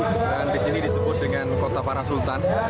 yang bersejarah dan disini disebut dengan kota para sultan